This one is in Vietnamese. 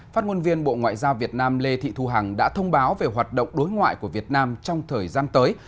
phát ngôn viên bộ ngoại giao việt nam lê thị thu hằng đã thông báo về hoạt động đối ngoại của việt nam trong thời gian tới